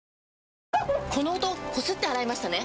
この音こすって洗いましたね？